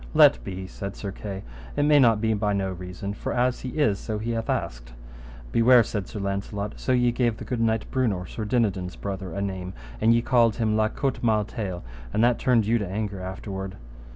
Let be said Sir Kay, it may not be by no reason, for as he is, so he hath asked. Beware, said Sir Launcelot, so ye gave the good knight Brewnor, Sir Dinadan's brother, a name, and ye called him La Cote Male Taile, and that turned you to anger afterward.